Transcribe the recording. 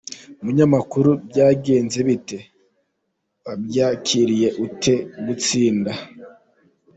Umunyamakuru: Byagenze bite? Wabyakiriye ute gutsinda?.